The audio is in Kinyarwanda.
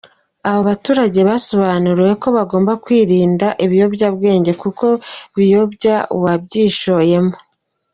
Aba baturage basobanuriwe ko bagomba kwirida ibiyobyabwenge kuko biyobya uwabyishoyemo.